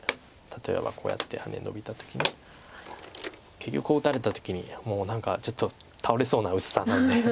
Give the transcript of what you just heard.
例えばこうやってハネノビた時に結局こう打たれた時にもう何かちょっと倒れそうな薄さなので。